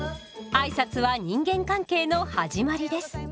あいさつは人間関係の始まりです。